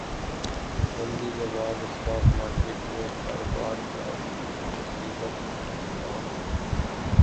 مندی کے بعد اسٹاک مارکیٹ میں کاروبار کا مثبت اختتام